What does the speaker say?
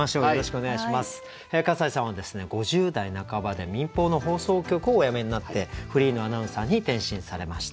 笠井さんは５０代半ばで民放の放送局をお辞めになってフリーのアナウンサーに転身されました。